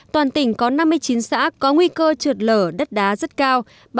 toàn tỉnh có năm mươi chín xã có nguy cơ trượt lở đất đá rất cao